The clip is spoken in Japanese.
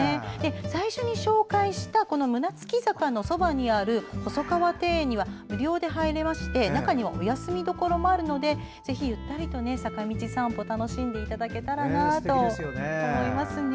最初に紹介した胸突坂のそばにある細川庭園には無料で入れまして中には、お休みどころもあるのでぜひゆったりと坂道散歩楽しんでいただけたらと思います。